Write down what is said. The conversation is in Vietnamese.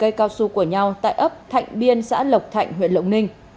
cây cao su của nhau tại ấp thạnh biên xã lộc thạnh huyện lộc ninh